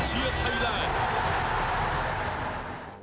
ไทยละ